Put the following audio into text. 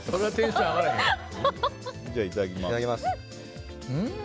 じゃあ、いただきます。